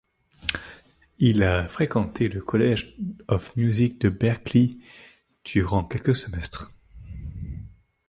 Il a fréquenté le College Of Music de Berklee durant quelques semestres.